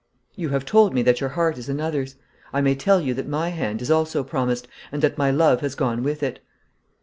'You have told me that your heart is another's. I may tell you that my hand is also promised, and that my love has gone with it.'